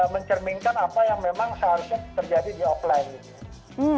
mencerminkan apa yang memang seharusnya terjadi di offline gitu